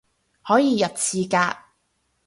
可以入廁格